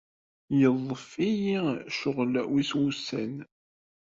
Yeḍḍef-iyi ccɣel sin wussan.